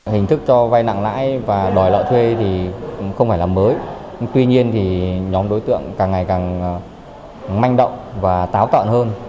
hình thức cho vay nặng lãi và đòi lợi thuê thì không phải là mới tuy nhiên nhóm đối tượng càng ngày càng manh động và táo tọn hơn